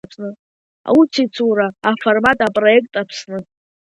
Аусеицура аформат апроект Аԥсны…